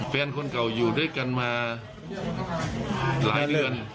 คนเก่าอยู่ด้วยกันมาหลายเรือน